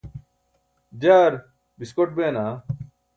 jaar biskoṭ bee naa